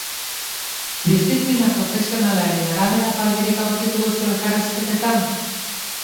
Diziplina profesionalaren araberako alderik aurkitu duzu elkarrizketetan?